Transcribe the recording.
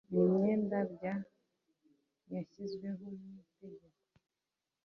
n imyenda bya yashyizweho n Itegeko n